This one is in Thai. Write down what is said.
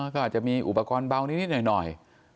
ก็อาจจะมีอุปกรณ์เบานิดหน่อย